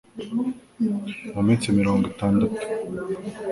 mu minsi mirongo itandatu